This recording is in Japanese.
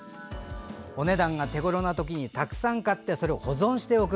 お値段が手ごろな時にたくさん買ってそれを保存しておく。